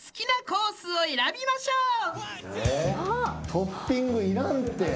トッピングいらんて。